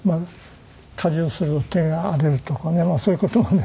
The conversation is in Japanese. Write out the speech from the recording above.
家事をする手が荒れるとかねそういう事がね